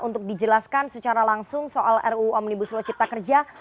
untuk dijelaskan secara langsung soal ruu omnibus law cipta kerja